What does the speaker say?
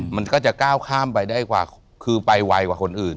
มันก็จะก้าวข้ามไปได้กว่าคือไปไวกว่าคนอื่น